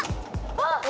あっ！